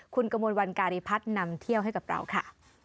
คุณกระมวลวันการีพัฒน์นำเที่ยวให้กับเราค่ะ